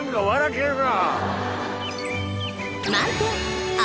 けるな。